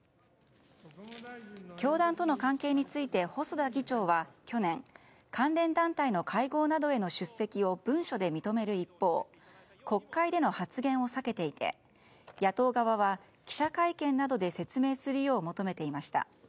教団との関係について細田議長は去年、関連団体の会合などへの出席を文書で認める一方国会での発言を避けていて野党側は記者会見などで説明するよう求めていました。